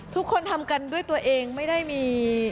ทุกคนทำกันด้วยตัวเองไม่ได้มี